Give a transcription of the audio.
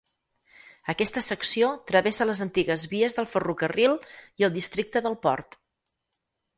Aquesta secció travessa les antigues vies del ferrocarril i el districte del port.